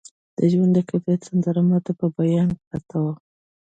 د ژوند د کیف سندره ماته په بیابان پرته وه